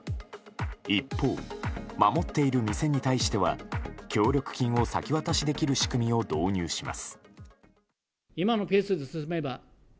一方、守っている店に対しては協力金を先渡しできる仕組みを導入します。